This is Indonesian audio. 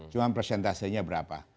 cuma presentasenya berapa